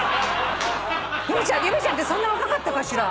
由美ちゃんってそんな若かったかしら？